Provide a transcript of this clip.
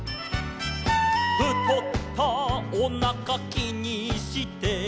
「ふとったおなかきにして」